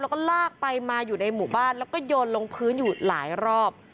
แล้วก็ลากไปมาอยู่ในหมู่บ้านแล้วก็โยนลงพื้นอยู่หลายรอบ